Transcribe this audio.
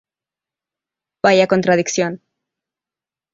Vaya contradicción".